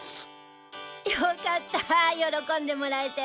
よかった喜んでもらえて。